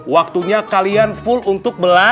waktunya kalian full untuk belanja